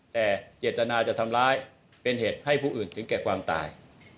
แต่เจตนาจะทำร้ายเป็นเหตุให้ผู้อื่นถึงแก่ความตาย